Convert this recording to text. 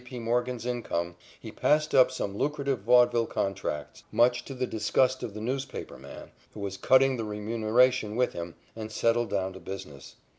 P. Morgan's income, he passed up some lucrative vaudeville contracts, much to the disgust of the newspaper man, who was cutting the remuneration with him, and settled down to business.